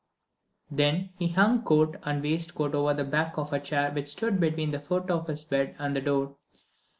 Then he hung coat and waistcoat over the back of a chair which stood between the foot of his bed and the door.